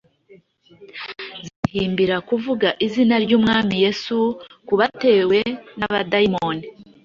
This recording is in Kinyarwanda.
zihimbira kuvugira izina ry’Umwami Yesu ku batewe n’abadayimoni.